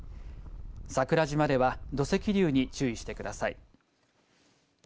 桜島では土石流に注意してください。